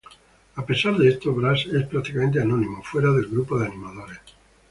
A pesar de esto, Bras es prácticamente anónimo fuera del grupo de animadores.